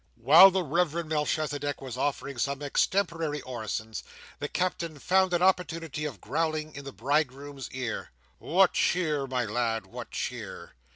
While the Reverend Melchisedech was offering up some extemporary orisons, the Captain found an opportunity of growling in the bridegroom's ear: "What cheer, my lad, what cheer?"